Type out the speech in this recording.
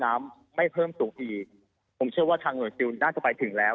น้ำไม่เพิ่มสูงอีกผมเชื่อว่าทางหน่วยซิลน่าจะไปถึงแล้ว